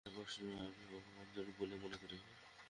এই প্রশ্ন আমি অপমানজনক বলিয়া মনে করি।